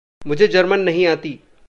मुझे जर्मन नहीं आती।